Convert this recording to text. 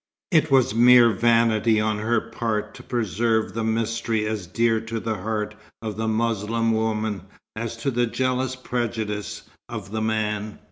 It was mere vanity on her part to preserve the mystery as dear to the heart of the Moslem woman as to the jealous prejudice of the man.